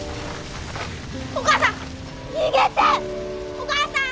お母さん！